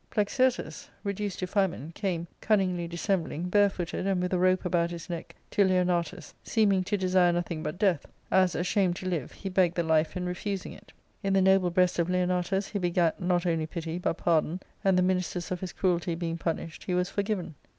Plexirtus, reduced by famine, came, cunningly dissembling, bare footed, and with a rope about his lieck, to L^onatus, seeming to desire nothing but death, as, ashamed to live, he begged the life in refusing it In the noble breast of Leonatus he begat not only pity, but pardon, and the ministers of his cruelty being punished, he was forgiven.